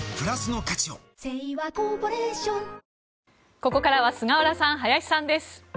ここからは菅原さん、林さんです。